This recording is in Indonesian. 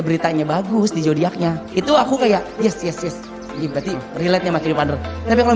beritanya bagus di jodiacnya itu aku kayak yes yes yes berarti relate sama kiri pander tapi kalau